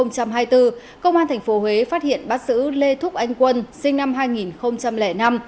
công an tp huế phát hiện bắt giữ lê thúc anh quân sinh năm hai nghìn năm